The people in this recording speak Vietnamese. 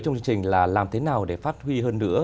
trong chương trình là làm thế nào để phát huy hơn nữa